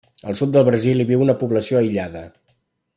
Al sud del Brasil hi viu una població aïllada.